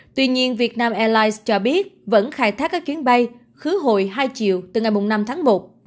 tuy nhiên vietnam airlines cho biết vẫn khai thác các chuyến bay khứ hội hai triệu từ ngày năm tháng một